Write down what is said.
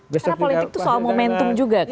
karena politik itu soal momentum gitu kan